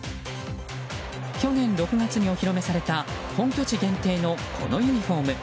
去年６月にお披露目された本拠地限定のこのユニホーム。